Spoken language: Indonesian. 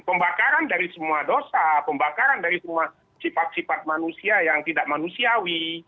pembakaran dari semua dosa pembakaran dari semua sifat sifat manusia yang tidak manusiawi